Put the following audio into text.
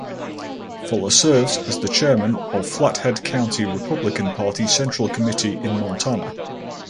Fuller serves as the chairman of Flathead County Republican Party Central Committee in Montana.